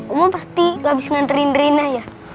omah pasti gak bisa nganterin rena ya